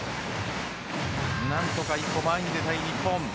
何とか一歩前に出たい日本。